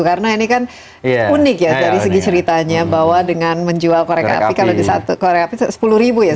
karena ini kan unik ya dari segi ceritanya bahwa dengan menjual korek api kalau di satu korek api sepuluh ribu ya